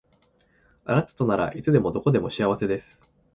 あなたとならいつでもどこでも幸せです